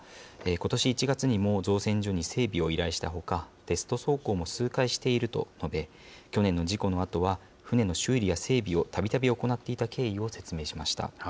ことし１月にも、造船所に整備を依頼したほか、テスト走行も数回していると述べ、去年の事故のあとは、船の修理や整備をたびたび行っていた経緯を説明しました。